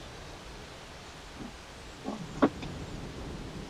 老北京很多民间手工艺的创造都跟满族有关。